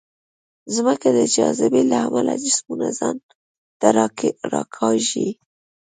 ځمکه د جاذبې له امله جسمونه ځان ته راکاږي.